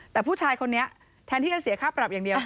แต่ผู้ชายคนนี้แทนที่จะเสียค่าปรับอย่างเดียว